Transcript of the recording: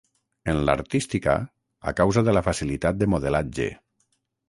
En l'artística, a causa de la facilitat de modelatge.